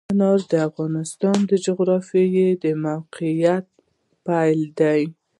انار د افغانستان د جغرافیایي موقیعت پایله ده.